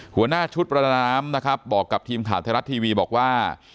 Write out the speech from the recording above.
หัวหน้าชุดประดาน้ำนะครับบอกกับทีมข่าวไทยรัฐทีวีบอกว่า